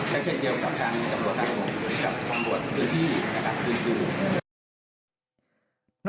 และเช่นเกี่ยวกับทางกำลังกลับกลับคำวดพืชรุ่น